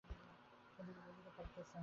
তিনি ব্যাপরটি ঠিক বুঝতে পারছেন না।